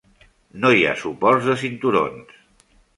No hi ha suports de cinturons.